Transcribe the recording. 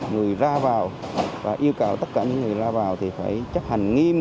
người ra vào và yêu cầu tất cả những người ra vào thì phải chấp hành nghiêm